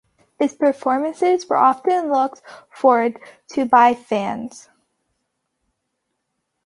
His performances were often looked forward to by fans.